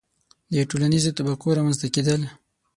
• د ټولنیزو طبقو رامنځته کېدل.